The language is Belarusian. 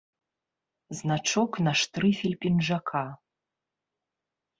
Значок на штрыфель пінжака.